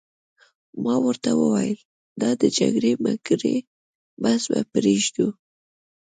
ما ورته وویل: دا د جګړې مګړې بحث به پرېږدو.